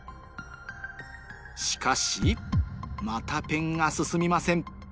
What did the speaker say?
しかしまたペンが進みません